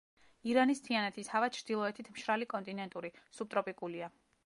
ირანის მთიანეთის ჰავა ჩრდილოეთით მშრალი კონტინენტური, სუბტროპიკულია.